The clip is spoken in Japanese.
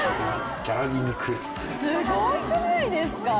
すごくないですか？